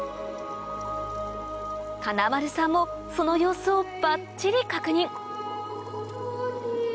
金丸さんもその様子をバッチリ確認